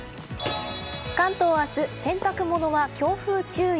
関東は明日、洗濯物は強風注意。